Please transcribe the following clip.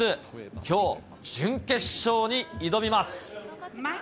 きょう、準決勝に挑みます。